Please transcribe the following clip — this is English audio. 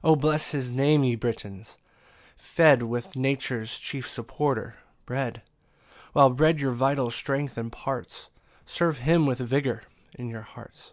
12 O bless his Name ye Britons, fed With nature's chief supporter, bread; While bread your vital strength imparts, Serve him with vigour in your hearts.